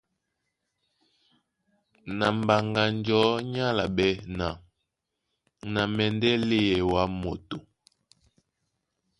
Na Mbaŋganjɔ̌ ní álaɓɛ́ ná : Na mɛndɛ́ léɛ wǎ moto.